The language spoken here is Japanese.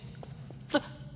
あっ！